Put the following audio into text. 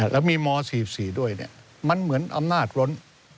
แล้วมีม๔๔ด้วยมันเหมือนอำนาจล้น